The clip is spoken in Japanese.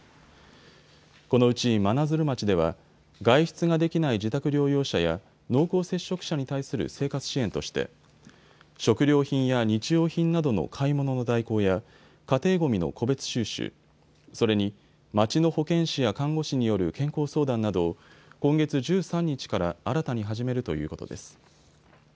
このうち真鶴町では外出ができない自宅療養者や濃厚接触者に対する生活支援として食料品や日用品などの買い物の代行や家庭ごみの個別収集、それに、町の保健師や看護師による健康相談など今月１３日から新たに始めるということです。